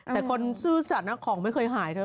แต่คนซื่อสัตว์ของไม่เคยหายเธอ